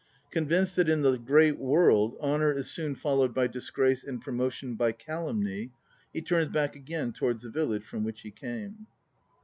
Convinced that in the great world "honour is soon followed by dis grace, and promotion by calumny," he turns back again towards the village from which he came.